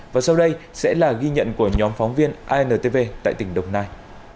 và sau đây sẽ là ghi nhận của nhóm phóng viên intv tại tỉnh đồng nai